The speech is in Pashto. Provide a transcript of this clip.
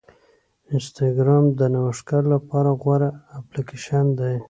انسټاګرام د نوښتګرو لپاره غوره اپلیکیشن دی.